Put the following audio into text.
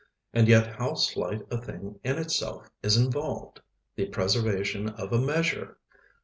And yet how slight a thing in itself is involved! the preservation of a measure!